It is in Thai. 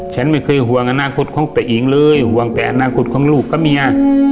ฉันไม่เคยห่วงอนาคตของตัวเองเลยห่วงแต่อนาคตของลูกกับเมีย